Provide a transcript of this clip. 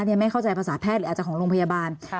ไม่เข้าใจภาษาแพทย์หรืออาจจะของโรงพยาบาล